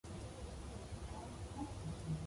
The video takes place in downtown Seattle, Washington.